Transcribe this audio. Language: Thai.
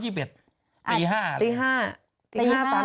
ยี่สิบช้าว๒๑ตี๕อะไรอย่างนี้